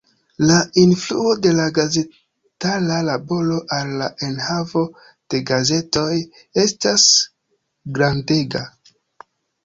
La influo de la gazetara laboro al la enhavo de gazetoj estas grandega.